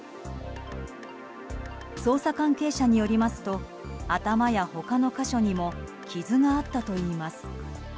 捜査関係者によりますと頭や他の箇所にも傷があったといいます。